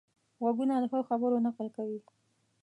غوږونه د ښو خبرو نقل کوي